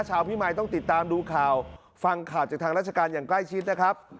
พี่มายต้องติดตามดูข่าวฟังข่าวจากทางราชการอย่างใกล้ชิดนะครับ